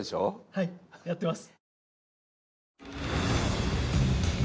はいやってます。